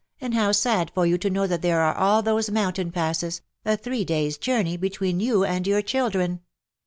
And how sad for you to know that there are all those mountain passes — a three days^ journey — between you and your chil dren."